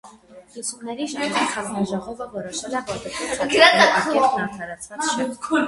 Լսումների ժամանակ հանձնաժողովը որոշել է, որ դպրոց հաճախելու արգելքն արդարացված չէ։